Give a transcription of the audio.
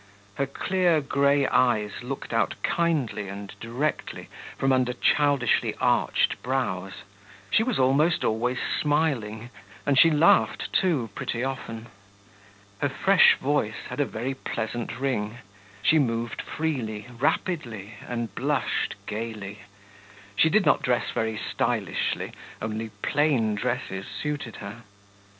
Her clear grey eyes looked out kindly and directly from under childishly arched brows; she was almost always smiling, and she laughed too, pretty often. Her fresh voice had a very pleasant ring; she moved freely, rapidly, and blushed gaily. She did not dress very stylishly, only plain dresses suited her.